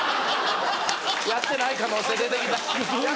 やってない可能性出てきた。